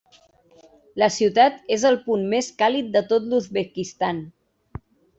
La ciutat és el punt més càlid de tot l'Uzbekistan.